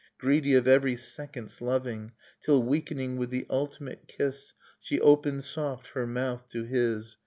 Greedy of every second's loving; Till, weakening with the ultimate kiss. She opened soft her mouth to his.